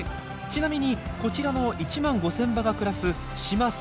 ちなみにこちらの１万５，０００羽が暮らす島最大の繁殖地。